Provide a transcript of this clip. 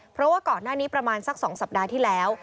เพราะว่าก่อนหน้านี้ประมาณสัก๒สัปดาห์ที่แล้ว